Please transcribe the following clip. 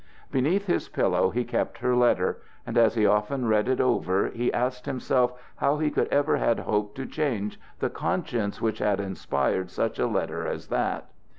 Beneath his pillow he kept her letter, and as he often read it over he asked himself how he could ever have hoped to change the conscience which had inspired such a letter as that.